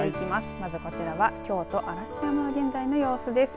まずこちら京都嵐山の現在の様子です。